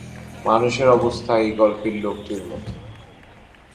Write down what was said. মানুষের অবস্থা এই গল্পের লোকটির মত।